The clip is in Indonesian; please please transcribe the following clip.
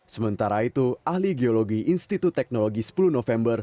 sementara itu ahli geologi institut teknologi sepuluh november